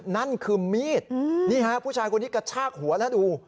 นั่นคือมีดนี่ฮะผู้ชายคนนี้กระชากหัวแล้วดู